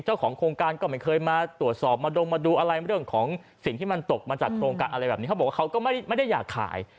เจ้าของโครงการก็ไม่เคยมาตรวจสอบมาดงมาดูอะไรเรื่องของสิ่งที่มันตกมาจากโครงการอะไรแบบนี้เขาบอกว่าเขาก็ไม่ได้อยากขาย